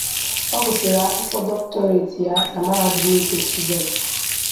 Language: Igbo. Ọ gụsịrị akwụkwọ doctorate ya na Mahadum nke Sussex.